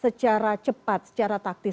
secara cepat secara taktis